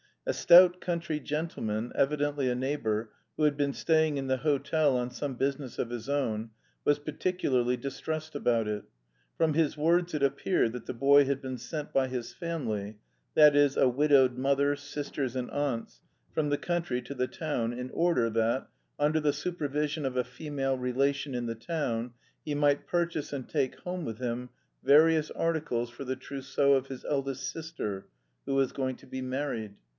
A stout country gentleman, evidently a neighbour, who had been staying in the hotel on some business of his own, was particularly distressed about it. From his words it appeared that the boy had been sent by his family, that is, a widowed mother, sisters, and aunts, from the country to the town in order that, under the supervision of a female relation in the town, he might purchase and take home with him various articles for the trousseau of his eldest sister, who was going to be married.